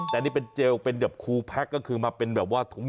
แต่นี่เป็นเจลเป็นแบบคูแพ็คก็คือมาเป็นแบบว่าถุง